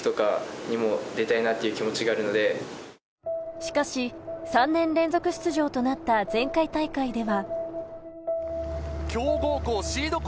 しかし、３年連続出場となった前回大会では。